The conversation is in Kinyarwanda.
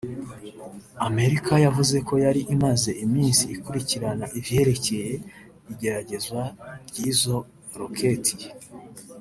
Amerika yavuze ko yari imaze imisi ikurikirana ivyerekeye igeragezwa ry'izo roketi